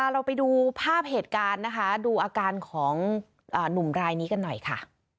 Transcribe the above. เราไปดูภาพเหตุการณ์นะคะดูอาการของหนุ่มรายนี้กันหน่อยค่ะ